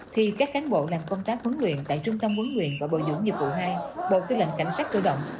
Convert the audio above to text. thì các khán bộ làm công tác huấn luyện tại trung tâm huấn luyện và bộ dũng dịch vụ hai bộ tư lệnh cảnh sát cơ động